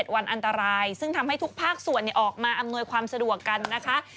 ไม่ไปยุ่งกับป่าวไปข้างล่างไปรอดไป